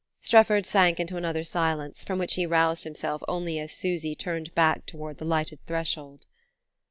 Strefford sank into another silence, from which he roused himself only as Susy turned back toward the lighted threshold.